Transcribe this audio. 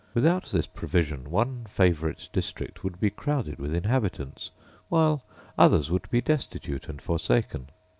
Without this provision one favourite district would be crowded with inhabitants, while others would be destitute and forsaken.